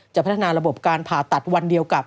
พัฒนาระบบการผ่าตัดวันเดียวกับ